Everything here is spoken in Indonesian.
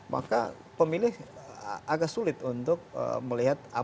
maka pemilih agak sulit untuk melihat apa yang harus dilakukan